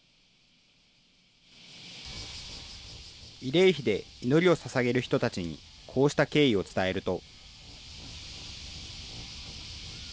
慰霊碑で祈りをささげる人たちに、こうした経緯を伝えると。